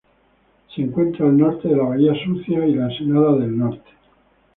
Se encuentra al norte de la Bahía Sucia y la Ensenada del Norte.